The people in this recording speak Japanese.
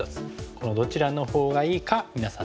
このどちらのほうがいいか皆さん